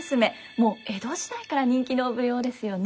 もう江戸時代から人気の舞踊ですよね。